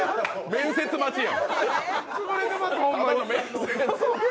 面接待ちやん。